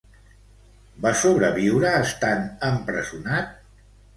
Va sobreviure estant empresonat?